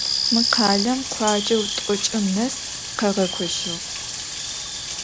Mı khalem khuaceu t'oç'ım nes khağekoşığ.